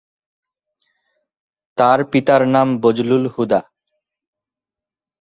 তার পিতার নাম বজলুল হুদা।